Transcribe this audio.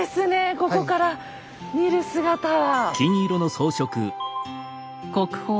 ここから見る姿は。